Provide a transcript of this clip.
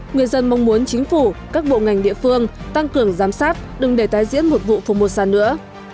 người dân mong muốn chính phủ các bộ ngành địa phương tăng cường giám sát đừng để tái diễn một vụ phomosa nữa